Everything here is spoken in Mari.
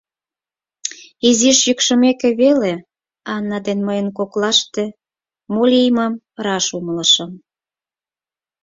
Изиш йӱкшымек веле, Анна ден мыйын коклаште мо лиймым раш умылышым.